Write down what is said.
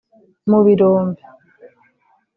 mu birombe